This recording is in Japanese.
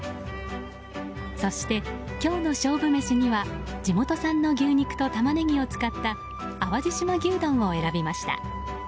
そして、今日の勝負メシには地元産の牛肉とタマネギを使った淡路島牛丼を選びました。